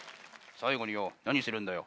最後によ何するんだよ。